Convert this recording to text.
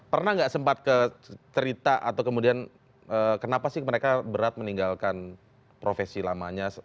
pernah nggak sempat ke cerita atau kemudian kenapa sih mereka berat meninggalkan profesi lamanya